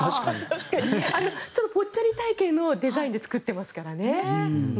ぽっちゃり系のデザインで作ってますからね。